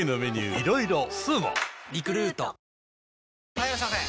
・はいいらっしゃいませ！